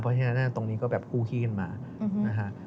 เพราะฉะนั้นตรงนี้ก็แบบคู่ขี้กันมานะฮะ